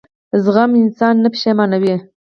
زغم انسان نه پښېمانوي.